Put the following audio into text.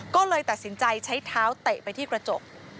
ก็เลยตัดสินใจใช้เท้าเตะไปที่กระจก